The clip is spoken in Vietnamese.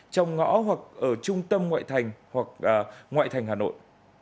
trong ngõ hoặc ở trung tâm ngoại thành hoặc ngoại thành hà nội